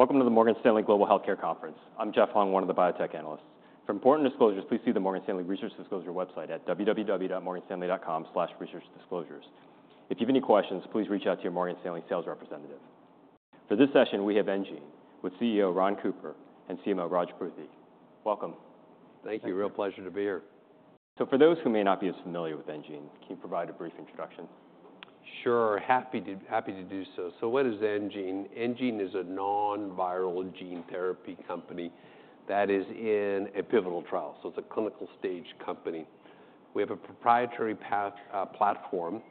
...Welcome to the Morgan Stanley Global Healthcare Conference. I'm Jeff Hung, one of the biotech analysts. For important disclosures, please see the Morgan Stanley Research Disclosure website at www.morganstanley.com/researchdisclosures. If you have any questions, please reach out to your Morgan Stanley sales representative. For this session, we have enGene, with CEO Ron Cooper and CMO Raj Pruthi. Welcome. Thank you. Real pleasure to be here. So for those who may not be as familiar with enGene, can you provide a brief introduction? Sure, happy to do so. What is enGene? enGene is a non-viral gene therapy company that is in a pivotal trial, so it's a clinical stage company. We have a proprietary platform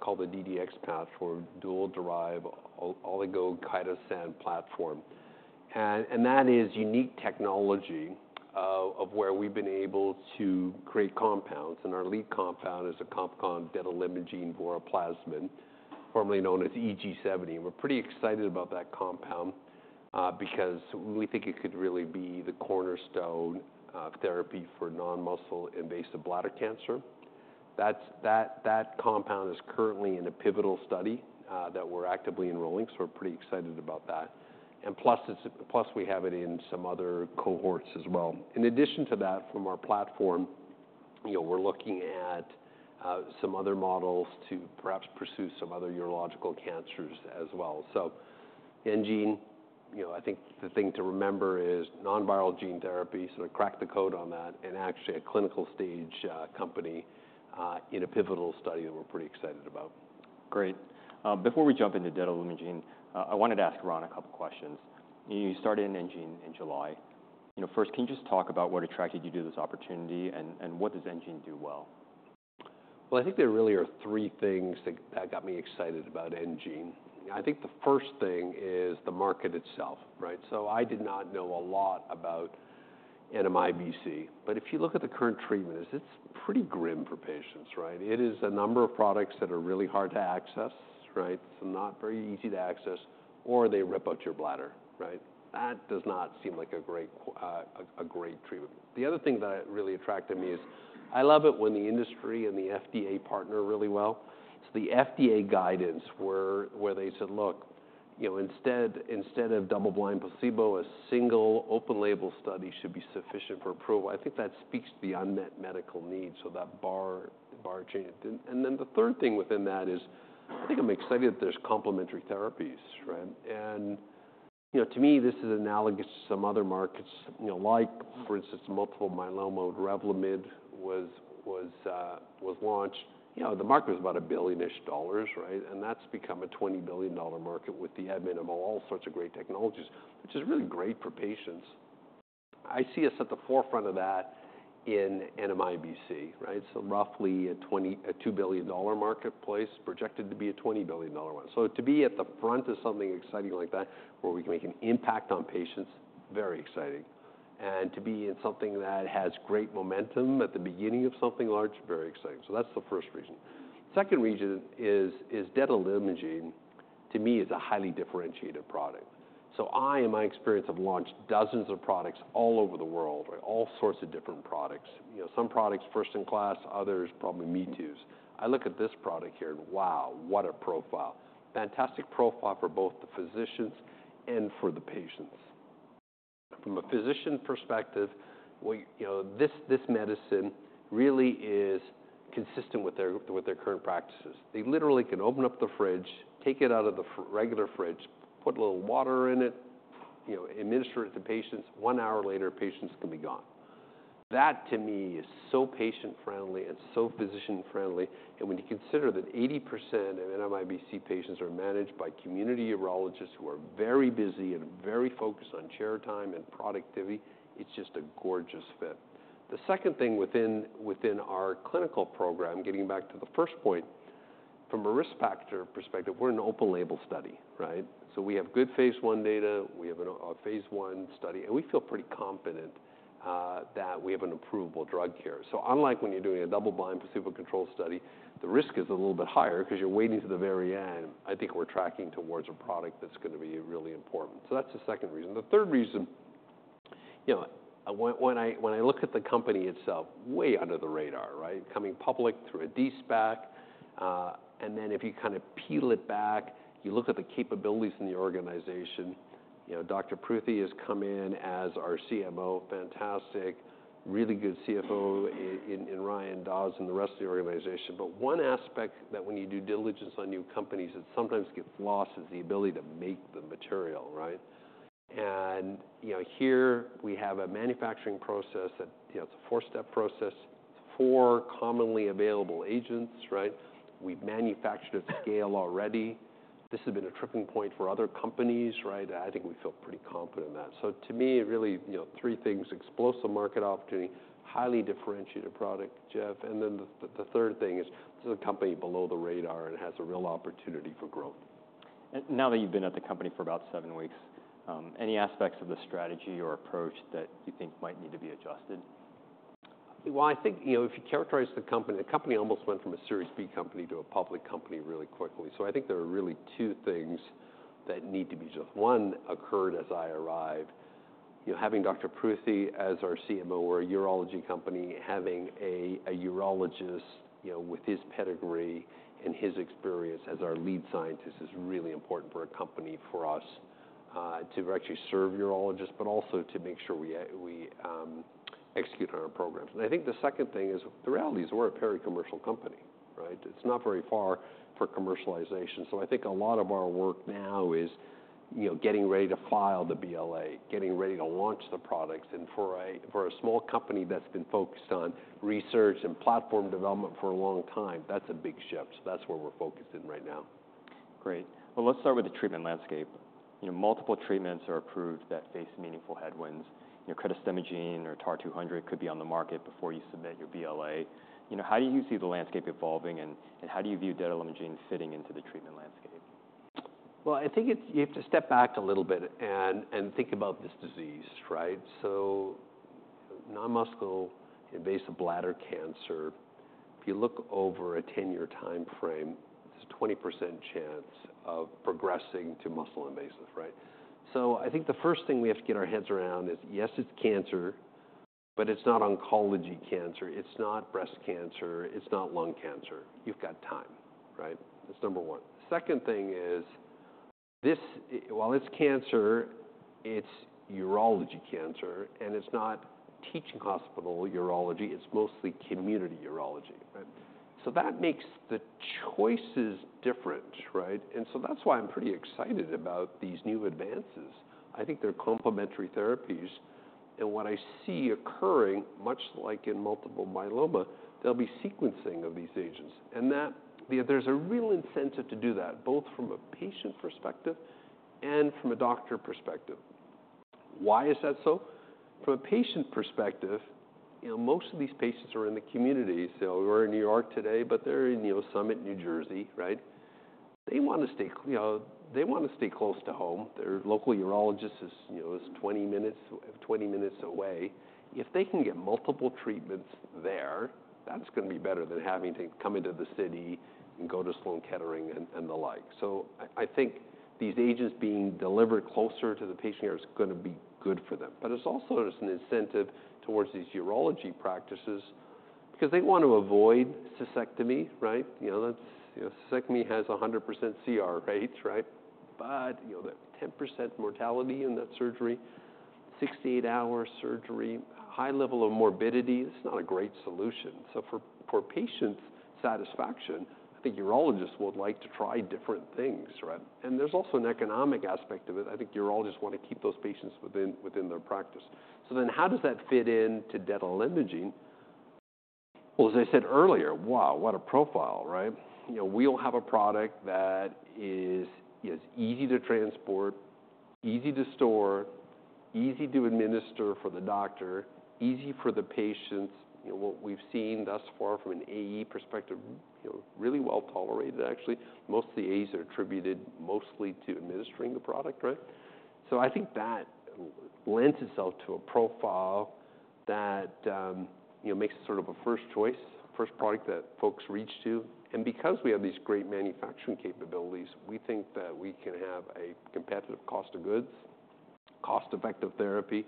called the DDX platform for Dually Derivatized Oligochitosan platform. And that is unique technology of where we've been able to create compounds, and our lead compound is a compound called detalimogene voraplasmid, formerly known as EG-70. We're pretty excited about that compound because we think it could really be the cornerstone therapy for non-muscle invasive bladder cancer. That compound is currently in a pivotal study that we're actively enrolling, so we're pretty excited about that. And plus, we have it in some other cohorts as well. In addition to that, from our platform, you know, we're looking at some other models to perhaps pursue some other urological cancers as well. So enGene, you know, I think the thing to remember is non-viral gene therapy, so to crack the code on that, and actually a clinical stage company in a pivotal study that we're pretty excited about. Great. Before we jump into detalimogene, I wanted to ask Ron a couple questions. You started in enGene in July. You know, first, can you just talk about what attracted you to this opportunity, and what does enGene do well? I think there really are three things that got me excited about enGene. I think the first thing is the market itself, right? So I did not know a lot about NMIBC, but if you look at the current treatment, it's pretty grim for patients, right? It is a number of products that are really hard to access, right? So not very easy to access, or they rip out your bladder, right? That does not seem like a great treatment. The other thing that really attracted me is, I love it when the industry and the FDA partner really well. So the FDA guidance, where they said, "Look, you know, instead of double blind placebo, a single open label study should be sufficient for approval," I think that speaks to the unmet medical needs, so that bar changed. And then the third thing within that is, I think I'm excited that there's complementary therapies, right? And, you know, to me, this is analogous to some other markets, you know, like for instance, multiple myeloma, Revlimid was launched. You know, the market was about $1 billion-ish, right? And that's become a $20 billion market with the advent of all sorts of great technologies, which is really great for patients. I see us at the forefront of that in NMIBC, right? So roughly a $2 billion marketplace, projected to be a $20 billion one. So to be at the front of something exciting like that, where we can make an impact on patients, very exciting. And to be in something that has great momentum at the beginning of something large, very exciting. So that's the first reason. Second reason is detalimogene, to me, is a highly differentiated product. So I, in my experience, have launched dozens of products all over the world, all sorts of different products. You know, some products first in class, others probably me-toos. I look at this product here and wow, what a profile! Fantastic profile for both the physicians and for the patients. From a physician perspective, we, you know, this medicine really is consistent with their current practices. They literally can open up the fridge, take it out of the regular fridge, put a little water in it, you know, administer it to patients, one hour later, patients can be gone. That, to me, is so patient-friendly and so physician-friendly, and when you consider that 80% of NMIBC patients are managed by community urologists who are very busy and very focused on chair time and productivity, it's just a gorgeous fit. The second thing within our clinical program, getting back to the first point, from a risk factor perspective, we're an open-label study, right? So we have good phase I data, we have a phase I study, and we feel pretty confident that we have an approvable drug here. So unlike when you're doing a double-blind placebo-controlled study, the risk is a little bit higher because you're waiting to the very end, I think we're tracking towards a product that's gonna be really important. So that's the second reason. The third reason, you know, when I look at the company itself, way under the radar, right? Coming public through a de-SPAC, and then if you kind of peel it back, you look at the capabilities in the organization, you know, Dr. Pruthi has come in as our CMO, fantastic, really good CFO in Ryan Daws and the rest of the organization. But one aspect that when you do diligence on new companies that sometimes gets lost is the ability to make the material, right? And, you know, here we have a manufacturing process that, you know, it's a four-step process, four commonly available agents, right? We've manufactured at scale already. This has been a tripping point for other companies, right? I think we feel pretty confident in that. So to me, it really, you know, three things, explosive market opportunity, highly differentiated product, Jeff, and then the third thing is this is a company below the radar and has a real opportunity for growth. Now that you've been at the company for about seven weeks, any aspects of the strategy or approach that you think might need to be adjusted? I think, you know, if you characterize the company, the company almost went from a Series B company to a public company really quickly. So I think there are really two things that need to be. One occurred as I arrived. You know, having Dr. Pruthi as our CMO, we're a urology company, having a urologist, you know, with his pedigree and his experience as our lead scientist is really important for our company, for us, to actually serve urologists, but also to make sure we execute on our programs. I think the second thing is, the reality is we're a pre-commercial company, right? It's not very far for commercialization. So I think a lot of our work now is, you know, getting ready to file the BLA, getting ready to launch the products. For a small company that's been focused on research and platform development for a long time, that's a big shift. That's where we're focused in right now. Great. Well, let's start with the treatment landscape. You know, multiple treatments are approved that face meaningful headwinds. You know, cretostimogene grenadenorepvec or TAR-200 could be on the market before you submit your BLA. You know, how do you see the landscape evolving, and how do you view detalimogene voraplasmid fitting into the treatment landscape? I think it's, you have to step back a little bit and think about this disease, right? So non-muscle invasive bladder cancer, if you look over a 10-year timeframe, it's a 20% chance of progressing to muscle invasive, right? So I think the first thing we have to get our heads around is, yes, it's cancer, but it's not oncology cancer, it's not breast cancer, it's not lung cancer. You've got time, right? That's number one. The second thing is, this, while it's cancer, it's urology cancer, and it's not teaching hospital urology, it's mostly community urology, right? So that makes the choices different, right? And so that's why I'm pretty excited about these new advances. I think they're complementary therapies, and what I see occurring, much like in multiple myeloma, there'll be sequencing of these agents. And that... There's a real incentive to do that, both from a patient perspective and from a doctor perspective. Why is that so? From a patient perspective, you know, most of these patients are in the community. So we're in New York today, but they're in, you know, Summit, New Jersey, right? They wanna stay close to home. Their local urologist is, you know, twenty minutes, twenty minutes away. If they can get multiple treatments there, that's gonna be better than having to come into the city and go to Sloan Kettering and the like. So I think these agents being delivered closer to the patient here is gonna be good for them. But it's also there's an incentive towards these urology practices because they want to avoid cystectomy, right? You know, that's, you know, cystectomy has 100% CR rates, right? But, you know, that 10% mortality in that surgery, 68-hour surgery, high level of morbidity, it's not a great solution. So for patients' satisfaction, I think urologists would like to try different things, right? And there's also an economic aspect of it. I think urologists wanna keep those patients within their practice. So then how does that fit in to detalimogene? Well, as I said earlier, wow, what a profile, right? You know, we all have a product that is easy to transport, easy to store, easy to administer for the doctor, easy for the patients. You know, what we've seen thus far from an AE perspective, you know, really well tolerated, actually. Most of the AEs are attributed mostly to administering the product, right? So I think that lends itself to a profile that, you know, makes it sort of a first choice, first product that folks reach to. And because we have these great manufacturing capabilities, we think that we can have a competitive cost of goods, cost-effective therapy.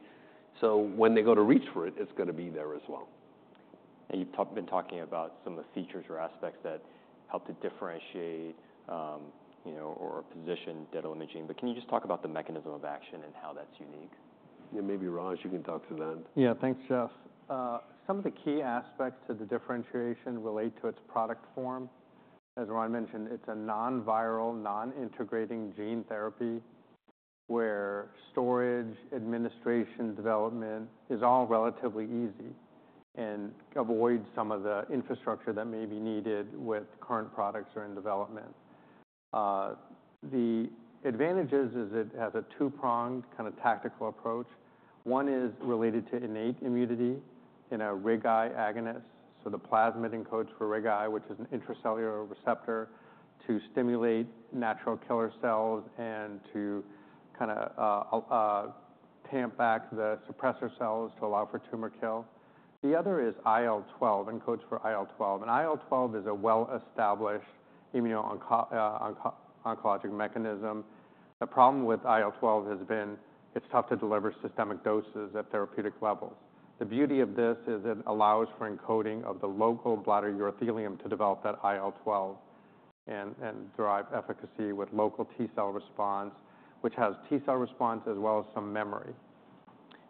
So when they go to reach for it, it's gonna be there as well. You've been talking about some of the features or aspects that help to differentiate, you know, or position detalimogene, but can you just talk about the mechanism of action and how that's unique? Yeah, maybe, Raj, you can talk to that. Yeah. Thanks, Jeff. Some of the key aspects to the differentiation relate to its product form. As Ron mentioned, it's a non-viral, non-integrating gene therapy, where storage, administration, development is all relatively easy and avoids some of the infrastructure that may be needed with current products or in development. The advantages is it has a two-pronged kind of tactical approach. One is related to innate immunity in a RIG-I agonist. So the plasmid encodes for RIG-I, which is an intracellular receptor, to stimulate natural killer cells and to kinda tamp back the suppressor cells to allow for tumor kill. The other is IL-12, encodes for IL-12, and IL-12 is a well-established immuno-oncologic mechanism. The problem with IL-12 has been it's tough to deliver systemic doses at therapeutic levels. The beauty of this is it allows for encoding of the local bladder urothelium to develop that IL-12 and derive efficacy with local T cell response, which has T cell response, as well as some memory.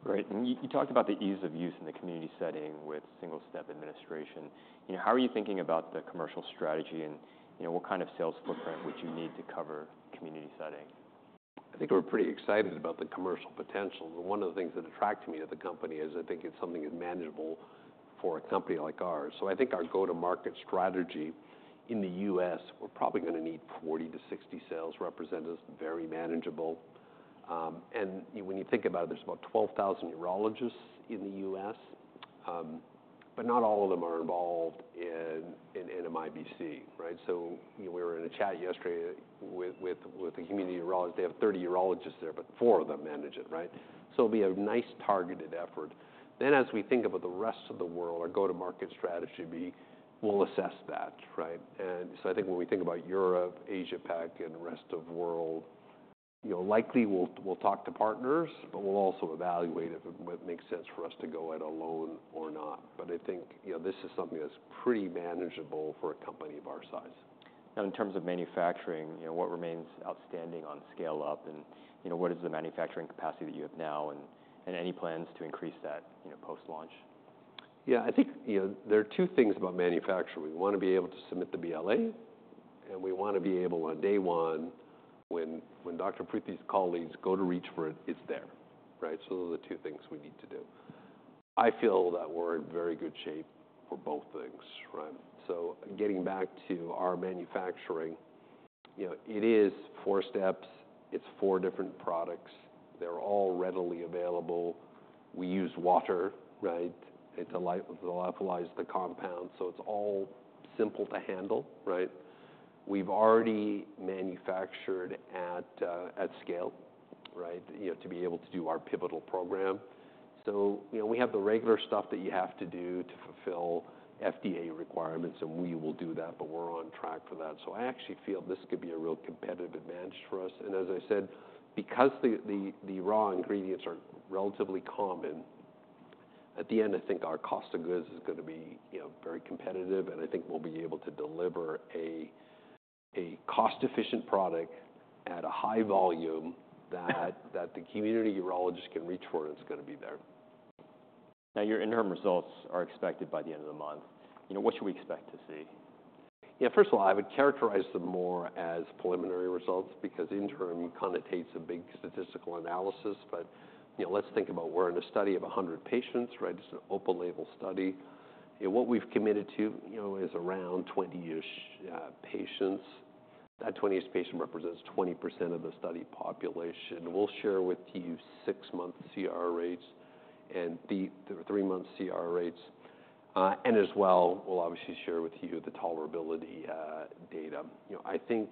Great. And you talked about the ease of use in the community setting with single-step administration. You know, how are you thinking about the commercial strategy, and, you know, what kind of sales footprint would you need to cover community setting? I think we're pretty excited about the commercial potential. One of the things that attracted me to the company is I think it's something manageable for a company like ours. So I think our go-to-market strategy in the U.S., we're probably gonna need 40-60 sales representatives, very manageable. And when you think about it, there's about 12,000 urologists in the U.S., but not all of them are involved in NMIBC, right? So, you know, we were in a chat yesterday with a community urologist. They have 30 urologists there, but four of them manage it, right? So it'll be a nice targeted effort. Then, as we think about the rest of the world, our go-to-market strategy be, we'll assess that, right? And so I think when we think about Europe, Asia-Pac, and rest of world-... You know, likely we'll talk to partners, but we'll also evaluate if it would make sense for us to go it alone or not. But I think, you know, this is something that's pretty manageable for a company of our size. Now, in terms of manufacturing, you know, what remains outstanding on scale up, and, you know, what is the manufacturing capacity that you have now, and any plans to increase that, you know, post-launch? Yeah, I think, you know, there are two things about manufacturing. We want to be able to submit the BLA, and we want to be able, on day one, when, when Dr. Pruthi's colleagues go to reach for it, it's there, right? So those are the two things we need to do. I feel that we're in very good shape for both things, right? So getting back to our manufacturing, you know, it is four steps. It's four different products. They're all readily available. We use water, right? It lyophilizes the compound, so it's all simple to handle, right? We've already manufactured at, at scale, right, you know, to be able to do our pivotal program. So, you know, we have the regular stuff that you have to do to fulfill FDA requirements, and we will do that, but we're on track for that. So I actually feel this could be a real competitive advantage for us. And as I said, because the raw ingredients are relatively common, at the end, I think our cost of goods is gonna be, you know, very competitive, and I think we'll be able to deliver a cost-efficient product at a high volume that the community urologist can reach for, and it's gonna be there. Now, your interim results are expected by the end of the month. You know, what should we expect to see? Yeah, first of all, I would characterize them more as preliminary results because interim connotes a big statistical analysis. But, you know, let's think about we're in a study of a 100 patients, right? It's an open-label study. You know, what we've committed to, you know, is around 20-ish patients. That 20-ish patients represents 20% of the study population. We'll share with you six-month CR rates and the three-month CR rates. And as well, we'll obviously share with you the tolerability data. You know, I think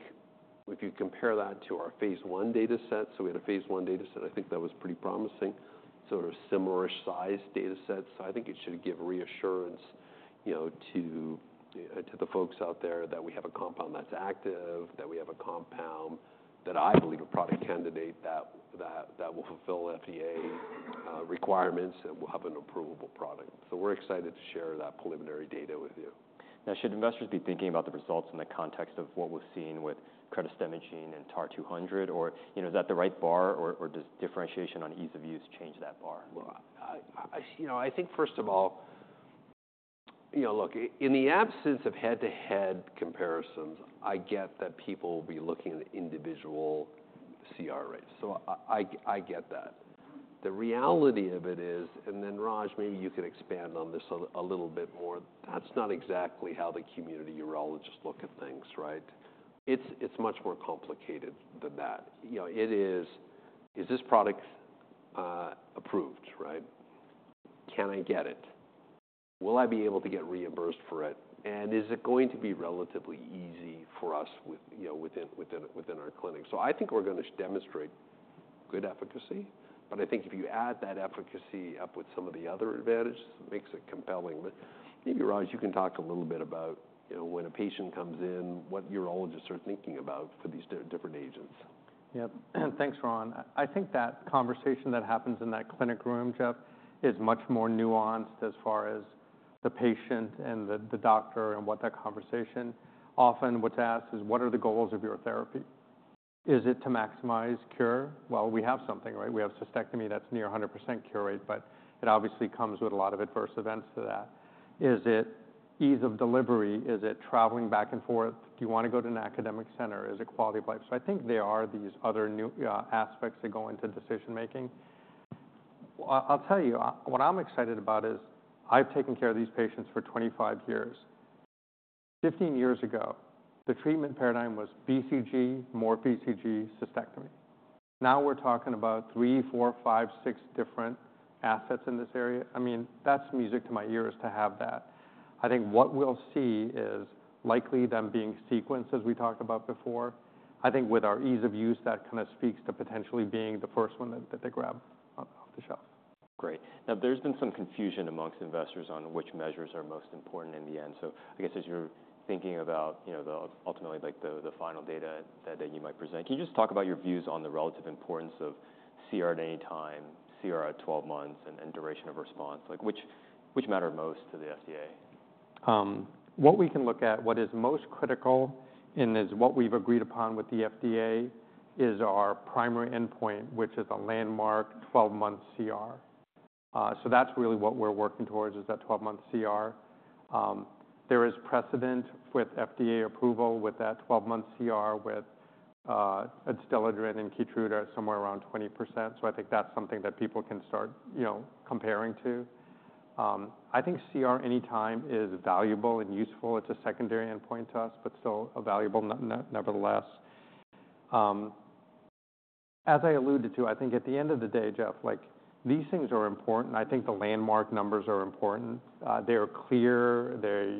if you compare that to our phase I data set, so we had a phase I data set, I think that was pretty promising, sort of similar-ish size data sets. I think it should give reassurance, you know, to the folks out there that we have a compound that's active, that we have a compound that I believe a product candidate that will fulfill FDA requirements and we'll have an approvable product. So we're excited to share that preliminary data with you. Now, should investors be thinking about the results in the context of what we've seen with cretostimogene grenadenorepvec and TAR-200, or, you know, is that the right bar, or, or does differentiation on ease of use change that bar? I think, first of all, you know, look, in the absence of head-to-head comparisons, I get that people will be looking at individual CR rates. So I get that. The reality of it is, and then, Raj, maybe you could expand on this a little bit more, that's not exactly how the community urologists look at things, right? It's much more complicated than that. You know, it is: Is this product approved, right? Can I get it? Will I be able to get reimbursed for it? And is it going to be relatively easy for us with, you know, within our clinic? So I think we're gonna demonstrate good efficacy, but I think if you add that efficacy up with some of the other advantages, it makes it compelling. Maybe, Raj, you can talk a little bit about, you know, when a patient comes in, what urologists are thinking about for these different agents. Yep. Thanks, Ron. I think that conversation that happens in that clinic room, Jeff, is much more nuanced as far as the patient and the doctor and what that conversation... Often what's asked is: What are the goals of your therapy? Is it to maximize cure? Well, we have something, right? We have cystectomy, that's near 100% cure rate, but it obviously comes with a lot of adverse events to that. Is it ease of delivery? Is it traveling back and forth? Do you want to go to an academic center? Is it quality of life? So I think there are these other new aspects that go into decision-making. Well, I'll tell you what I'm excited about is I've taken care of these patients for 25 years. 15 years ago, the treatment paradigm was BCG, more BCG, cystectomy. Now, we're talking about three, four, five, six different assets in this area. I mean, that's music to my ears to have that. I think what we'll see is likely them being sequenced, as we talked about before. I think with our ease of use, that kinda speaks to potentially being the first one that they grab off the shelf. Great. Now, there's been some confusion among investors on which measures are most important in the end. So I guess, as you're thinking about, you know, ultimately, like, the final data that you might present, can you just talk about your views on the relative importance of CR at any time, CR at 12 months, and duration of response? Like, which matter most to the FDA? What we can look at, what is most critical, and is what we've agreed upon with the FDA, is our primary endpoint, which is a landmark 12-month CR. So that's really what we're working towards, is that 12-month CR. There is precedent with FDA approval with that 12-month CR, with Adstiladrin and Keytruda at somewhere around 20%, so I think that's something that people can start, you know, comparing to. I think CR anytime is valuable and useful. It's a secondary endpoint to us, but still valuable nevertheless. As I alluded to, I think at the end of the day, Jeff, like, these things are important. I think the landmark numbers are important. They're clear, they're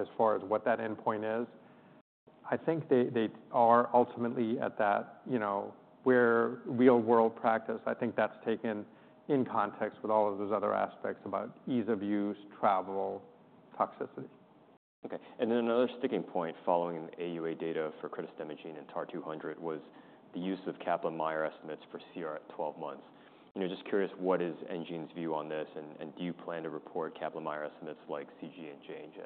as far as what that endpoint is. I think they are ultimately at that, you know, where real-world practice. I think that's taken in context with all of those other aspects about ease of use, travel, toxicity.... Okay, and then another sticking point following the AUA data for cretostimogene and TAR-200 was the use of Kaplan-Meier estimates for CR at 12 months. And I'm just curious, what is enGene's view on this, and do you plan to report Kaplan-Meier estimates like CG and J&J?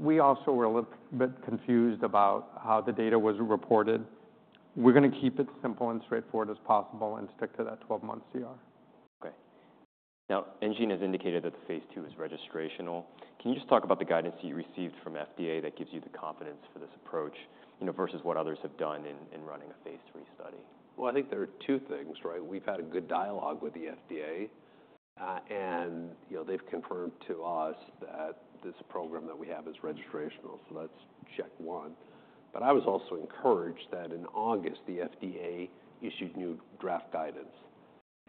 We also were a little bit confused about how the data was reported. We're gonna keep it simple and straightforward as possible and stick to that 12-month CR. Okay. Now, enGene has indicated that the phase II is registrational. Can you just talk about the guidance you received from FDA that gives you the confidence for this approach, you know, versus what others have done in, in running a phase III study? I think there are two things, right? We've had a good dialogue with the FDA, and, you know, they've confirmed to us that this program that we have is registrational, so that's check one. But I was also encouraged that in August, the FDA issued new draft guidance,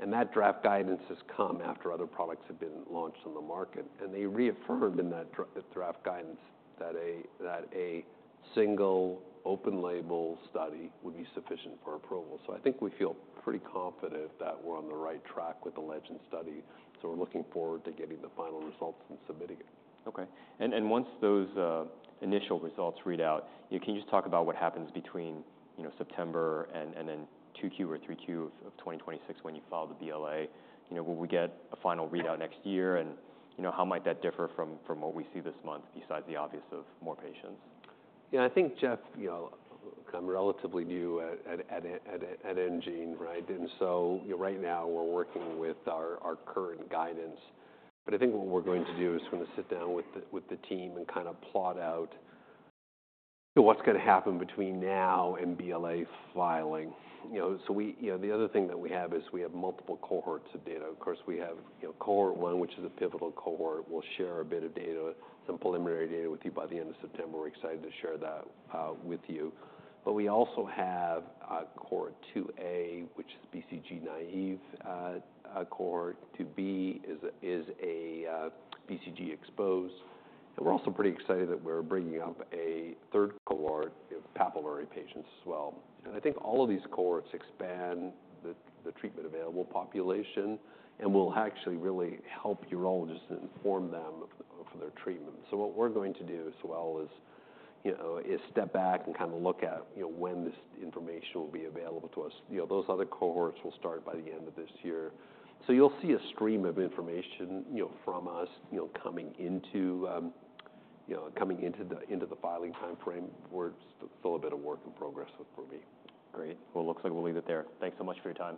and that draft guidance has come after other products have been launched on the market. And they reaffirmed in that the draft guidance that a single open-label study would be sufficient for approval. So I think we feel pretty confident that we're on the right track with the LEGEND study, so we're looking forward to getting the final results and submitting it. Okay. And once those initial results read out, you know, can you just talk about what happens between, you know, September and then 2Q or 3Q of 2026 when you file the BLA? You know, will we get a final readout next year? And, you know, how might that differ from what we see this month, besides the obvious of more patients? Yeah, I think, Jeff, you know, I'm relatively new at enGene, right? And so, you know, right now we're working with our current guidance. But I think what we're going to do is we're gonna sit down with the team and kind of plot out what's gonna happen between now and BLA filing. You know, so we... You know, the other thing that we have is we have multiple cohorts of data. Of course, we have, you know, Cohort 1, which is a pivotal cohort. We'll share a bit of data, some preliminary data with you by the end of September. We're excited to share that with you. But we also have Cohort 2A, which is BCG naive, Cohort 2B is a BCG exposed. We're also pretty excited that we're bringing up a third cohort of papillary patients as well. I think all of these cohorts expand the treatment-available population and will actually really help urologists inform them of their treatment. What we're going to do as well is you know step back and kind of look at you know when this information will be available to us. You know, those other cohorts will start by the end of this year. You'll see a stream of information you know from us you know coming into the filing timeframe, where it's still a bit of work in progress with Pruthi. Great. Well, it looks like we'll leave it there. Thanks so much for your time.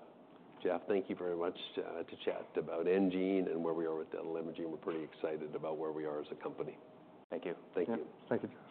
Jeff, thank you very much to chat about enGene and where we are with detalimogene voraplasmid. We're pretty excited about where we are as a company. Thank you. Thank you. Thank you, Jeff.